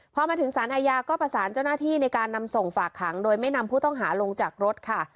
พอมาถึงสารอาญาก็ประสานเจ้าหน้าที่ในการนำส่งฝากขังโดยไม่นำผู้ต้องหาลงจากรถค่ะ